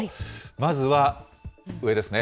まずは上ですね。